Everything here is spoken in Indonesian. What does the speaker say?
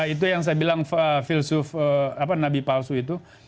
itu yang saya bilang filsuf nabi palsu itu